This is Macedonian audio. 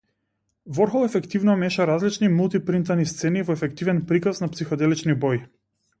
Ворхол ефективно меша различни мулти-принтани сцени во ефективен приказ на психоделични бои.